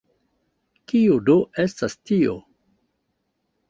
Kio do estas tio?